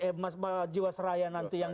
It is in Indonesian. eh mas jiwasraya nanti yang